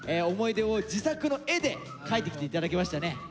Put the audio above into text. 思い出を自作の絵で描いてきて頂きましたね。